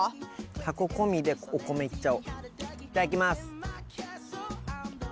織街Ⅳ澆お米いっちゃおいただきます。